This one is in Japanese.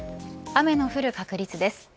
雨の降る確率です。